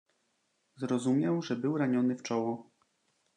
"Zrozumiał, że był raniony w czoło."